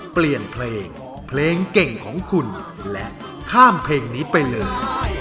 เปลี่ยนเพลงเพลงเก่งของคุณและข้ามเพลงนี้ไปเลย